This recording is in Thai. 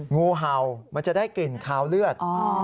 งูเห่ามันจะได้กลิ่นคาวเลือด